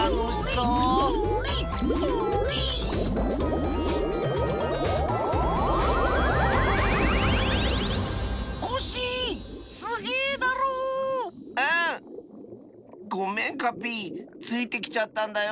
うん！ごめんカピイついてきちゃったんだよ。